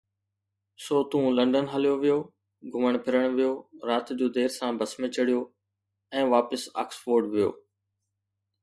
سو تون لنڊن هليو ويو، گهمڻ ڦرڻ ويو، رات جو دير سان بس ۾ چڙهيو ۽ واپس آڪسفورڊ ويو.